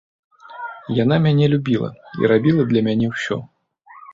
Яна мяне любіла і рабіла для мяне ўсё.